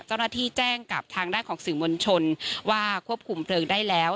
เจ้าหน้าที่แจ้งกับทางด้านของสื่อมวลชนว่าควบคุมเพลิงได้แล้ว